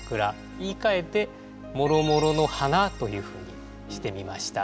言いかえて「もろもろの花」というふうにしてみました。